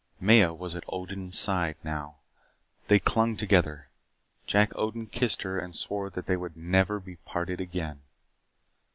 Maya was at Odin's side now. They clung together. Jack Odin kissed her and swore that they would never be parted again.